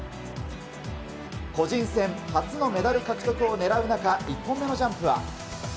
個人戦初のメダル獲得をねらう中、１本目のジャンプは。